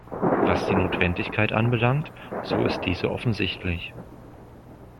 Was die Notwendigkeit anbelangt, so ist diese offensichtlich.